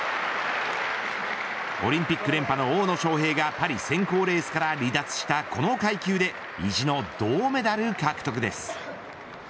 オリンピック連覇の大野将平がパリ選考レースから離脱したこの階級で意地の銅メダル獲得です。